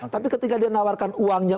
tapi ketika dia nawarkan uangnya